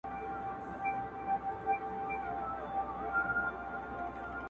بخیل تندي ته مي زارۍ په اوښکو ولیکلې؛